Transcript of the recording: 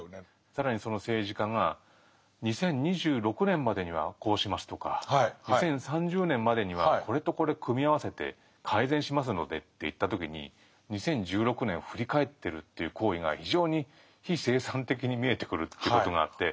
更にその政治家が「２０２６年までにはこうします」とか「２０３０年までにはこれとこれ組み合わせて改善しますので」って言った時に２０１６年を振り返ってるという行為が非常に非生産的に見えてくるということがあって。